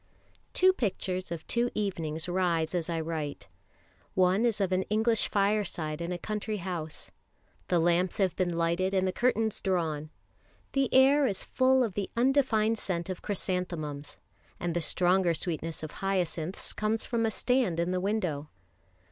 TWO pictures of two evenings rise as I write. One is of an English fireside in a country house. The lamps have been lighted, and the curtains drawn. The air is full of the undefined scent of chrysanthemums, and the stronger sweetness of hyacinths comes from a stand in the window.